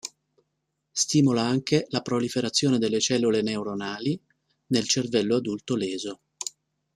Stimola anche la proliferazione delle cellule neuronali nel cervello adulto leso.